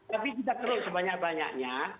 tapi kita keruk sebanyak banyaknya